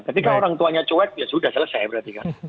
ketika orang tuanya cuek ya sudah selesai berarti kan